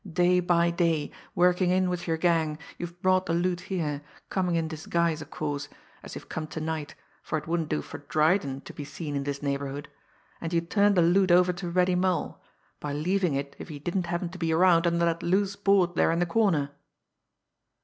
Day by day, working in with your gang, you've brought the loot here, coming in disguise of course, as you've come to night, for it wouldn't do for 'Dryden' to be seen in this neighbourhood! And you turned the loot over to Reddy Mull by leaving it, if he didn't happen to be around, under that loose board there in the corner."